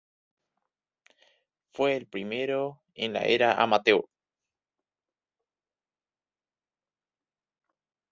Fue el primero en la Era Amateur.